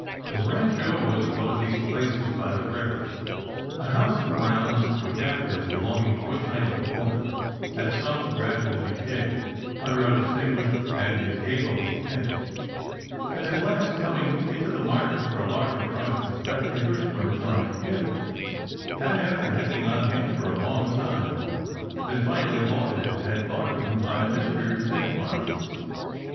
The Rancho was one of these places by the river; a house and grounds which, after belonging to a titled owner, had sunk to gradual decay under undistinguished and incapable tenants ; and, at last, coming into the market for a larger price than speculators were inclined to give, had, after hanging on hand for a long time, been finally bought a dead bargain by Mr. Cinqmars.